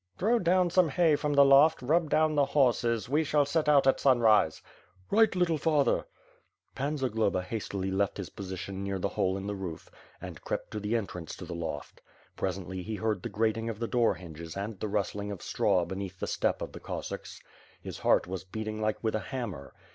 "Throw down some hay from the loft, rub down the horses. We shall set out at sunrise." "Right, little father." Pan Zagloba hastily left his position near the hole in the roof, and crept to the entrance to the loft. Presently he heard the grating of the door hinges and the rustling of straw beneath the step of the Cossacks. His heart was beating like with a hammer.